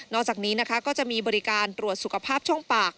จากนี้นะคะก็จะมีบริการตรวจสุขภาพช่องปาก